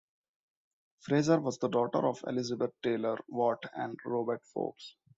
Fraser was the daughter of Elizabeth Taylor Watt and Robert Forbes.